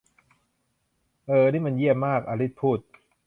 'เอ่อนี่มันเยี่ยมมาก !' อลิซพูด